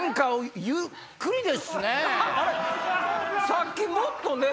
さっきもっとね。